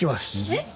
えっ？